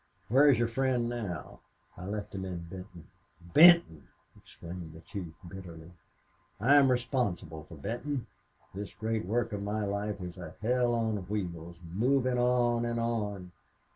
Where is your friend now?" "I left him in Benton." "Benton!" exclaimed the chief, bitterly. "I am responsible for Benton. This great work of my life is a hell on wheels, moving on and on....